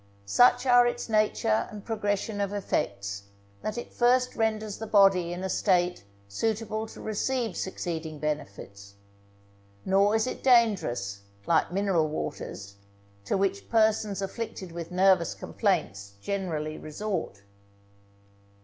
Such are its nature and progression of effects, that it first renders the body in a state suitable to receive succeeding benefits; nor is it dangerous, like mineral waters, to which persons afflicted with nervous complaints generally resort.